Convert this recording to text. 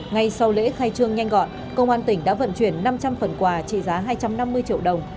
ngay sau lễ khai trương nhanh gọn công an tỉnh đã vận chuyển năm trăm linh phần quà trị giá hai trăm năm mươi triệu đồng